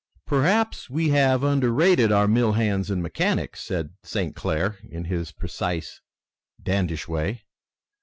"Perhaps we have underrated our mill hands and mechanics," said St. Clair, in his precise, dandyish way.